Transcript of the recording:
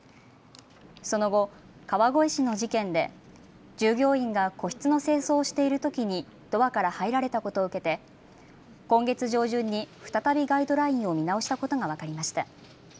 その後、川越市の事件で従業員が個室の清掃をしているときにドアから入られたことを受けて今月上旬に再びガイドラインを見直したことが分かりました。